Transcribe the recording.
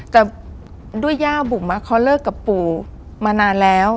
แต่ด้วยย่าบุ๋มเขาเลิกกับปู่มานานแล้ว